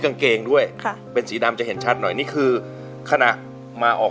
กางเกงด้วยค่ะเป็นสีดำจะเห็นชัดหน่อยนี่คือขณะมาออก